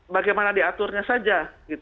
bagaimana diaturnya saja